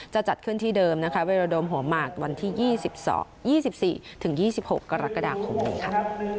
จะจัดขึ้นที่เดิมนะคะเวราโดมหัวหมากวันที่๒๔ถึง๒๖กรกฎาคมนี้ค่ะ